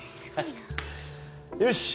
よし！